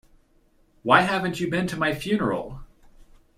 Why haven't you been to my funeral?